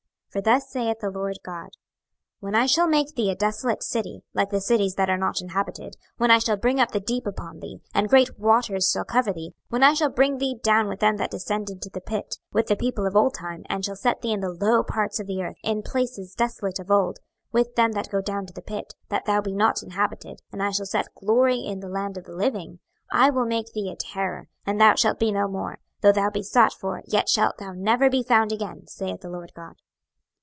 26:026:019 For thus saith the Lord GOD; When I shall make thee a desolate city, like the cities that are not inhabited; when I shall bring up the deep upon thee, and great waters shall cover thee; 26:026:020 When I shall bring thee down with them that descend into the pit, with the people of old time, and shall set thee in the low parts of the earth, in places desolate of old, with them that go down to the pit, that thou be not inhabited; and I shall set glory in the land of the living; 26:026:021 I will make thee a terror, and thou shalt be no more: though thou be sought for, yet shalt thou never be found again, saith the Lord GOD.